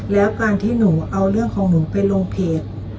แล้วการที่หนูเอาเรื่องของหนูไปลงเพจ